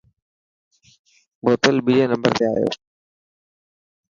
بوتل ٻيجي نمبر تي آيو.